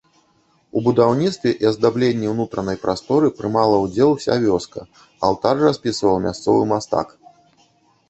У будаўніцтве і аздабленні ўнутранай прасторы прымала ўдзел уся вёска, алтар распісваў мясцовы мастак.